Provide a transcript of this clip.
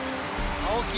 青木。